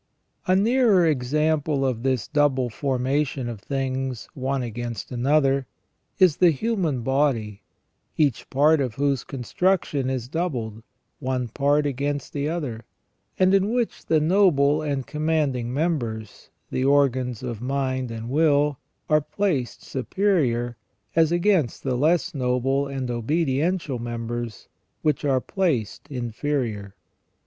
A nearer example of this double formation of things, one against another, is the human body, each part of whose construction is doubled, one part against the other; and in which the noble and commanding members, the organs of mind and will, are placed superior, as against the less noble and obediential members, which are placed inferior.